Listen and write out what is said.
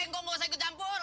kok gak usah ikut campur